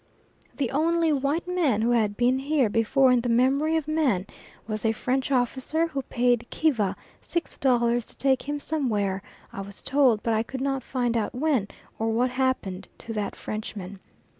The only white man who had been here before in the memory of man, was a French officer who paid Kiva six dollars to take him somewhere, I was told but I could not find out when, or what happened to that Frenchman.